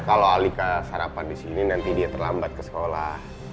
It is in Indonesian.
kalau alika sarapan disini nanti dia terlambat ke sekolah